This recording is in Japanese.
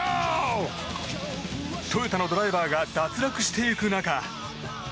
トヨタのドライバーが脱落していく中。